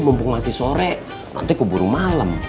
mumpung masih sore nanti keburu malam